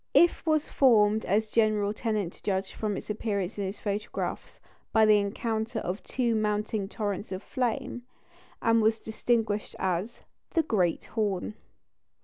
If was formed as General Tennant judged from its appearance in his photographs, by the encounter of two mounting torrents of flame, and was distinguished as the "Great Horn."